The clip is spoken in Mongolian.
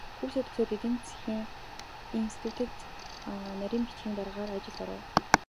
Курсээ төгсөөд эдийн засгийн институцэд нарийн бичгийн даргын ажилд оров.